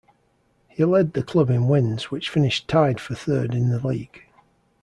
He led the club in wins, which finished tied for third in the league.